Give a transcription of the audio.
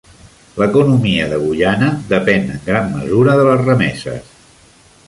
L'economia de Guyana depèn en gran mesura de les remeses.